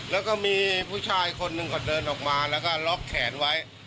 แล้วก็มีผู้ชายคนหนึ่งเขาเดินออกมาแล้วก็ล็อกแขนไว้